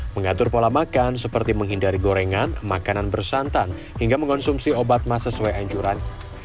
mengatur pola makan seperti menghindari gorengan makanan bersantan hingga mengonsumsi obat mah sesuai anjuran